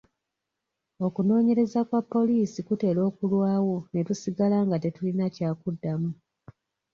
Okunoonyereza kwa poliisi kutera okulwawo ne tusigala nga tetulina kyakuddamu.